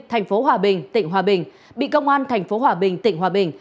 thành phố hòa bình tỉnh hòa bình bị công an thành phố hòa bình tỉnh hòa bình